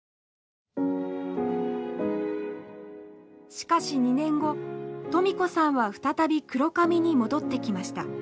しかし２年後トミ子さんは再び黒神に戻ってきました。